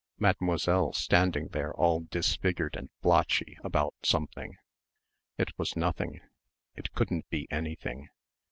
Mademoiselle, standing there all disfigured and blotchy about something ... it was nothing ... it couldn't be anything....